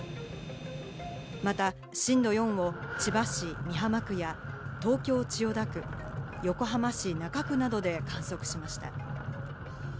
また震度４を千葉市美浜区や、東京千代田区、横浜市中区などで観測しました。